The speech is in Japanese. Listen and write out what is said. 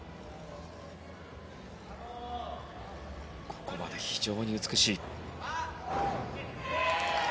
ここまで非常に美しい。